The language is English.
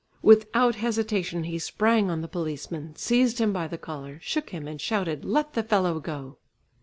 Without hesitation he sprang on the policeman, seized him by the collar, shook him and shouted, "Let the fellow go!"